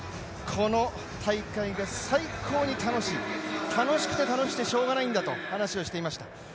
この大会が最高に楽しい、楽しくて楽しくてしようがないんだという話をしていました。